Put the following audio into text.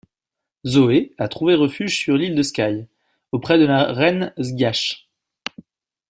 Zoey a trouvé refuge sur l'île de Skye, auprès de la reine Sgiach.